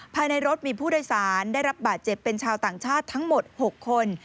ภายในรถมีผู้โดยสารได้รับบาดเจ็บเป็นชาวต่างชาติทั้งหมด๖คน